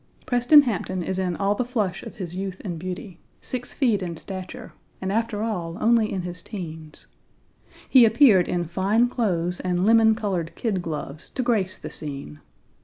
Preston Hampton is in all the flush of his youth and beauty, six feet in stature; and after all only in his teens; he appeared in fine clothes and lemon colored kid gloves to grace the scene.